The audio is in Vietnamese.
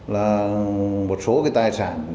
là một số cái tài sản